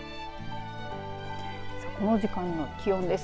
この時間の気温です。